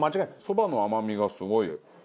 そばの甘みがすごいよ。